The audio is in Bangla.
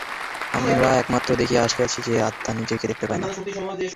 আমরা এইমাত্র দেখিয়া আসিয়াছি যে, আত্মা নিজেকে দেখিতে পায় না।